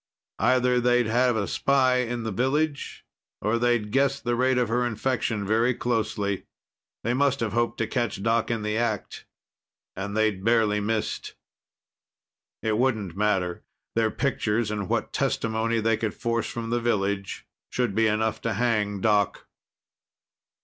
Either they'd had a spy in the village or they'd guessed the rate of her infection very closely. They must have hoped to catch Doc in the act, and they'd barely missed. It wouldn't matter. Their pictures and what testimony they could force from the village should be enough to hang Doc.